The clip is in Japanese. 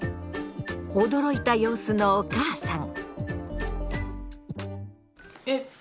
驚いた様子のお母さん。